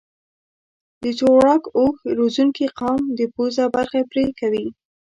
د تویراګ اوښ روزنکي قوم د پوزه برخه پرې کوي.